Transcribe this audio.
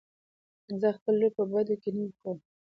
زه خپله لور په بدو کې نه ورکم .